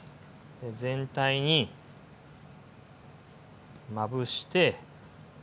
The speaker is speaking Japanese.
全体にまぶして。